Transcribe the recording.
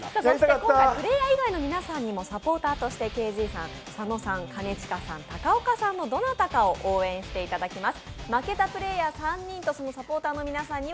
今回プレーヤー以外の皆さんにもサポーターとしてＫＺさん、佐野さん、兼近さん、高岡さんのどなたかを応援していただきます。